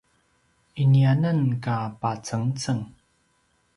iniananka pacengceng!